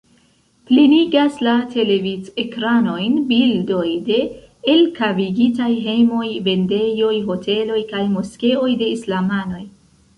Plenigas la televidekranojn bildoj de elkavigitaj hejmoj, vendejoj, hoteloj kaj moskeoj de islamanoj.